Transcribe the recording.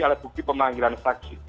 alat bukti pemanggilan saksi